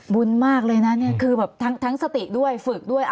บุญมากเลยนะเนี่ยคือแบบทั้งสติด้วยฝึกด้วย